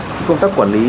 khi công tác quản lý